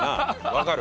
分かる。